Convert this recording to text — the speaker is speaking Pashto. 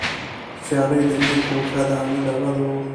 سيالي د نيکو ښه ده نه د بدو.